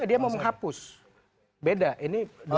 dia mau menghapus beda ini dia